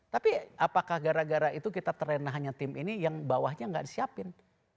tapi apakah gara gara itu kita terlena hanya tim ini yang bawahnya nggak disiapin